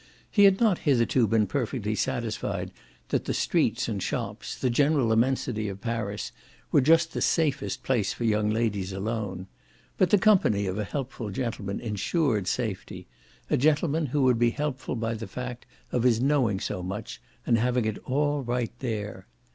He had not hitherto been perfectly satisfied that the streets and shops, the general immensity of Paris, were just the safest place for young ladies alone. But the company of a helpful gentleman ensured safety a gentleman who would be helpful by the fact of his knowing so much and having it all right there.